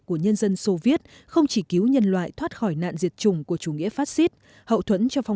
của nhân dân soviet không chỉ cứu nhân loại thoát khỏi nạn diệt chủng của chủ nghĩa phát xít hậu thuẫn cho phòng